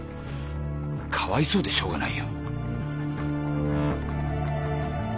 かわいそうでしょうがないよ。